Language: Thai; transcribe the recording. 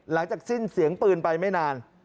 หลังจากสิ้นเสียงปืนไปไม่นาน